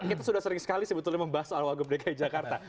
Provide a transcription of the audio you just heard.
kita sudah sering sekali sebetulnya membahas soal wagub dki jakarta